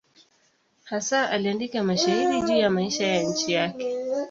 Hasa aliandika mashairi juu ya maisha ya nchi yake.